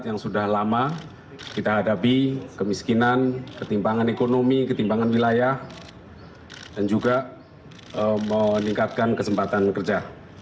yang sudah lama kita hadapi kemiskinan ketimpangan ekonomi ketimpangan wilayah dan juga meningkatkan kesempatan kerja